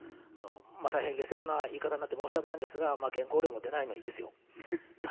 大変下世話な言い方になって申し訳ないんですが原稿料も出ないのにですよ。